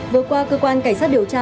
vừa qua cơ quan cảnh sát điều tra